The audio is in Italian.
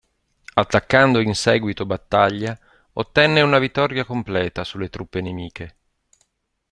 Attaccando in seguito battaglia ottenne una vittoria completa sulle truppe nemiche.